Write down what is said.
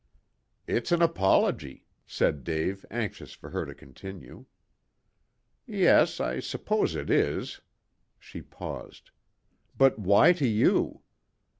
"It's an apology," said Dave, anxious for her to continue. "Yes, I suppose it is." She paused. "But why to you?"